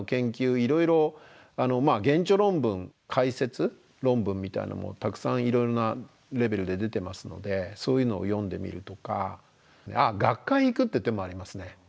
いろいろ原著論文解説論文みたいなのもたくさんいろいろなレベルで出てますのでそういうのを読んでみるとかあっ学会行くって手もありますね。